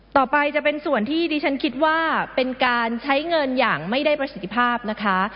ต่อไปจะเป็นส่วนที่ดิฉันคิดว่าเป็นการใช้เงินอย่างไม่ได้ประสิทธิภาพนะคะ